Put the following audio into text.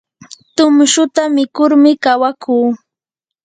tumshuta mikurmi kawakuu.